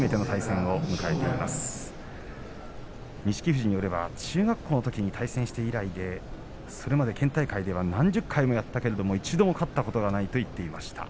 富士によれば、中学校のときに対戦して以来でそれまで県大会では何十回もやったけども一度も勝ったことがないと言っていました。